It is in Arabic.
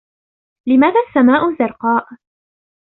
لماذا السماء زرقاء ؟